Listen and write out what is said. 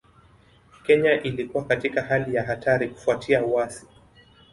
Kenya ilikuwa katika hali ya hatari kufuatia uasi